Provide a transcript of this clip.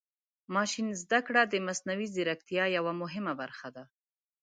ماشین زده کړه د مصنوعي ځیرکتیا یوه مهمه برخه ده.